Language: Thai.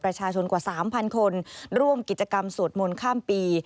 ประชาชนกว่า๓๐๐คนร่วมกิจกรรมสวดมนต์ข้ามปี